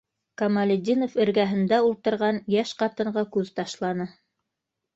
Камалетдинов эргәһендә ултырған йәш ҡатынға күҙ ташланы.